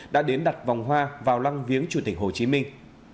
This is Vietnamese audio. đã đến đặt vòng hoa vào lăng viếng chủ tịch hồ chí minh